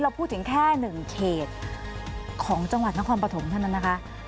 ที่เราพูดถึงแค่๑เขตของจังหวัดน้องความปฐมเท่านั้นนะคะ